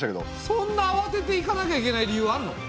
そんなあわてて行かなきゃいけない理由あるの？